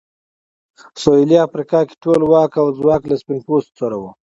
سوېلي افریقا کې ټول واک او ځواک له سپین پوستو سره و.